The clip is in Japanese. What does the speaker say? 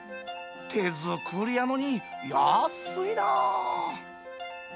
手作りやのに、安いな。